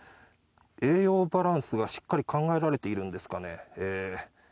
栄養バランスがしっかり考えられているんですかね。